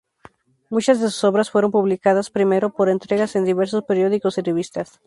Muchas de sus obras fueron publicadas primero por entregas en diversos periódicos y revistas.